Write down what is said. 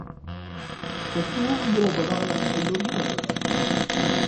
پښتو يوه بډايه او لرغونې ژبه ده.